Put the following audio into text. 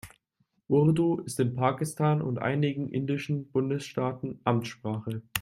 Urdu ist in Pakistan und einigen indischen Bundesstaaten Amtssprache.